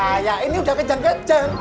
kayak ini udah kejang kenceng